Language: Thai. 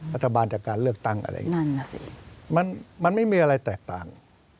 รัฐบาลจากการเลือกตั้งมันไม่มีอะไรแตกต่าง